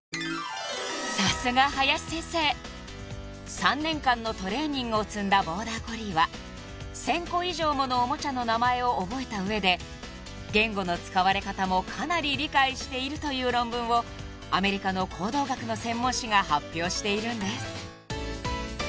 ［３年間のトレーニングを積んだボーダーコリーは１，０００個以上ものおもちゃの名前を覚えた上で言語の使われ方もかなり理解しているという論文をアメリカの行動学の専門誌が発表しているんです］